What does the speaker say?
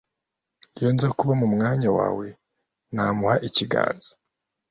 Iyo nza kuba mu mwanya wawe, namuha ikiganza.